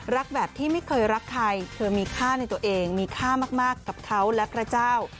รักแบบที่ไม่เคยรักใครเธอมีค่าในตัวเองมีค่ามากกับเขาและพระเจ้า